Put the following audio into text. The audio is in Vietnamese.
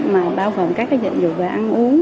mà bao phần các cái dịch vụ về ăn uống